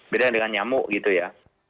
beda dengan nyamuk gitu ya